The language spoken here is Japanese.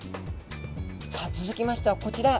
さあ続きましてはこちら！